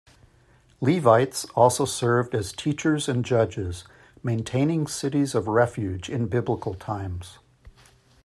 Levites also served as teachers and judges, maintaining cities of refuge in Biblical times.